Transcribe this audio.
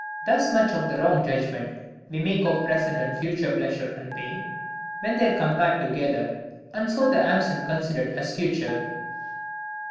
Thus much of the wrong judgment we make of present and future pleasure and pain, when they are compared together, and so the absent considered as future.